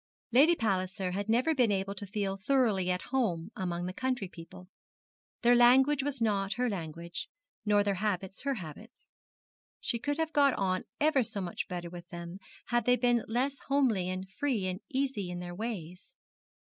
Lady Palliser had never been able to feel thoroughly at home among the county people. Their language was not her language, nor their habits her habits. She could have got on ever so much better with them had they been less homely and free and easy in their ways.